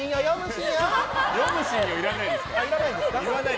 読むしんよはいらないですから。